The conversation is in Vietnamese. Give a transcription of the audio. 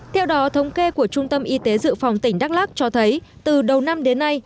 theo đó thống kê của trung tâm y tế dự phòng tỉnh đắk lắc cho thấy từ đầu năm đến nay